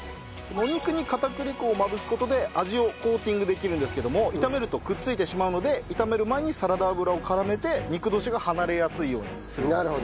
お肉に片栗粉をまぶす事で味をコーティングできるんですけれども炒めるとくっついてしまうので炒める前にサラダ油を絡めて肉同士が離れやすいようにするそうです。